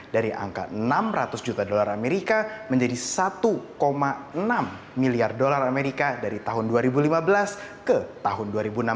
dari angka enam ratus juta dolar amerika menjadi satu enam miliar dolar amerika dari tahun dua ribu lima belas ke tahun dua ribu enam belas